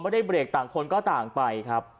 เบรกต่างคนก็ต่างไปครับ